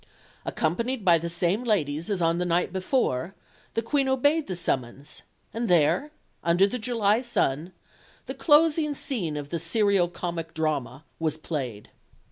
Accompanied by the same ladies as on the night before, the Queen obeyed the summons, and there, under the July sun, the closing scene of the serio comic drama was played.